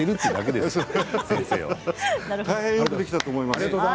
大変よくできたと思います。